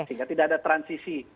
sehingga tidak ada transisi